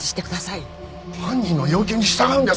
犯人の要求に従うんですか！？